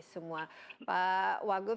semua pak waghuf